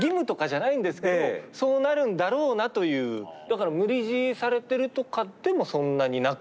だから無理強いされてるとかでもそんなになく。